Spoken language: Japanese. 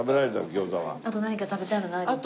あと何か食べたいのないですか？